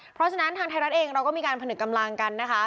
เพราะฉะนั้นทางไทยรัฐเองเราก็มีการผนึกกำลังกันนะคะ